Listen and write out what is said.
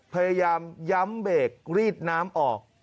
พยายามย้ำเบรกรีดน้ำออก